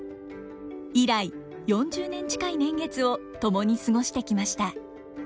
以来４０年近い年月を共に過ごしてきました。